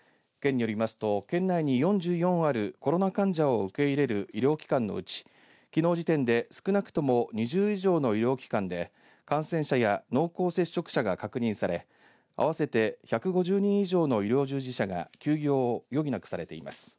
県によりますと県内に４４あるコロナ患者を受け入れる医療機関のうちきのう時点で少なくとも２０以上の医療機関で感染者や濃厚接触者が確認され合わせて１５０人以上の医療従事者が休業を余儀なくされています。